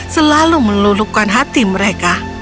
selalu melulukan hati mereka